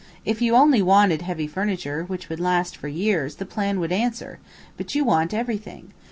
If you only wanted heavy furniture, which would last for years, the plan would answer, but you want everything.